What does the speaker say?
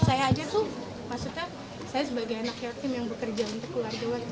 saya aja tuh maksudnya saya sebagai anak yatim yang bekerja untuk keluarga